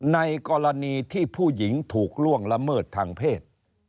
ในกรณีที่ผู้หญิงถูกล่วงละเมิดทางเพศ